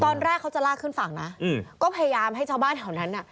ตอนแรกเขาจะลากขึ้นฝั่งนะก็พยายามให้ชาวบ้านแถวนั้นอ่ะ